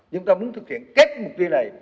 chúng ta muốn thực hiện kết mục tiêu này